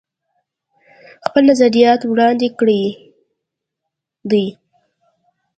خپل نظريات وړاندې کړي دي